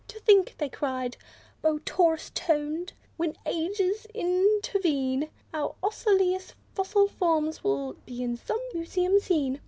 "To think," they cried, botaurus toned, "when ages intervene, Our osseous fossil forms will be in some museum seen!"